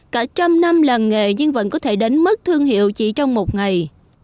cả trăm năm làm nghề nhưng vẫn có thể đánh mất thương hiệu chỉ trong một ngày